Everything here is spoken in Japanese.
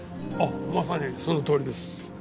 あっまさにそのとおりです。